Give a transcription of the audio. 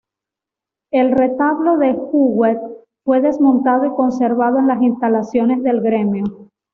El retablo de Huguet fue desmontado y conservado en las instalaciones del gremio.